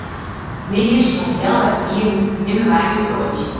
Middeis om healwei fiven nimme wy in broadsje.